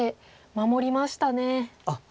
守りました。